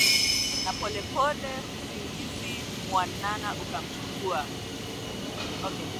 Na polepole, usingizi mwanana ukamchukua